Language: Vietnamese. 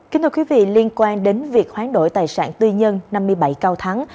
kính thưa quý vị liên quan đến việc hoán đổi tài sản tư nhân năm mươi bảy